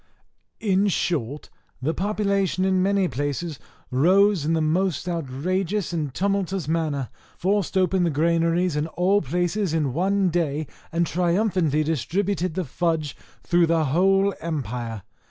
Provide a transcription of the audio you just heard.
In short, the populace in many places rose in the most outrageous and tumultuous manner, forced open the granaries in all places in one day, and triumphantly distributed the fudge through the whole empire.